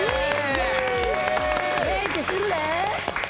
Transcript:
メイクするで！